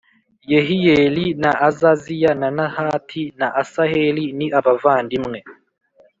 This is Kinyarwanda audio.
Yehiyeli na Azaziya na Nahati na Asaheli ni abavandimwe